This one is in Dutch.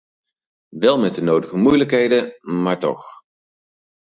Wel met de nodige moeilijkheden, maar toch.